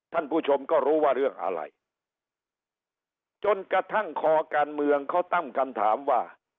ท่านผู้ชมก็รู้ว่าเรื่องอะไรจนกระทั่งคอการเมืองเขาตั้งคำถามว่า